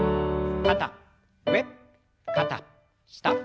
肩上肩下。